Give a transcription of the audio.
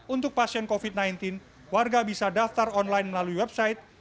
untuk pasien covid sembilan belas warga bisa daftar online melalui website